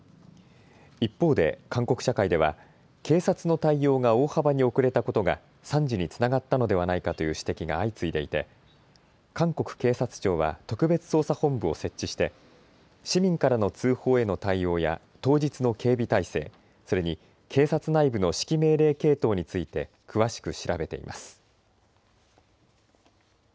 一方で韓国社会では警察の対応が大幅に遅れたことが惨事につながったのではないかという指摘が相次いでいて韓国警察庁は特別捜査本部を設置して市民からの通報への対応や当日の警備態勢それに警察内部の指揮命令系統について詳しく調べています。